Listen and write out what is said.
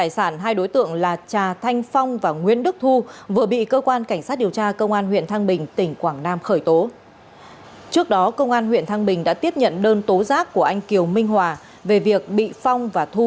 xin chào các bạn